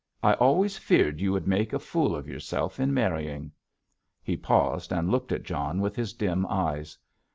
I always feared you would make a fool of yourself in marrying." He paused and looked at John with his dim eyes.